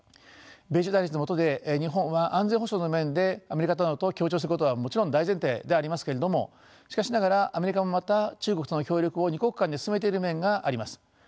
米中対立の下で日本は安全保障の面でアメリカなどと協調することはもちろん大前提でありますけれどもしかしながらアメリカもまた中国との協力を２国間で進めている面があります。